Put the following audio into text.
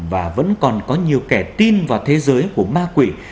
và vẫn còn có nhiều kẻ tin vào thế giới của ma quỷ